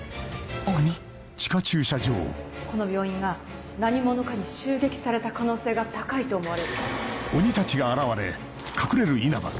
この病院が何者かに襲撃された可能性が高いと思われ。